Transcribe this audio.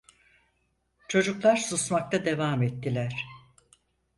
Çocuklar susmakta devam ettiler.